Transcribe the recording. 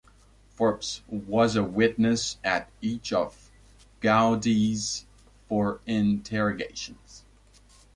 Forbes was a witness at each of Gowdie's four interrogations.